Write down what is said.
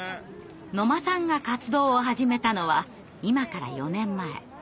野間さんが活動を始めたのは今から４年前。